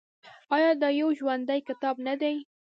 آیا دا یو ژوندی کتاب نه دی؟